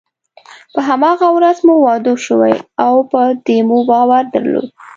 په هماغه ورځ مو واده شوی او په دې مو باور درلود.